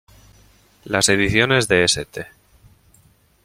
Las ediciones de St.